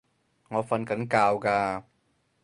我訓緊覺㗎